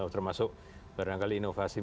termasuk berangkali inovasi